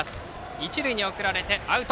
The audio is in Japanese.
一塁に送られてアウト。